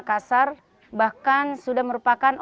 kita berhasil membangun